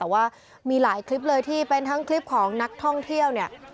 แต่ว่ามีหลายคลิปเลยที่เป็นทั้งคลิปของนักท่องเที่ยวเนี่ย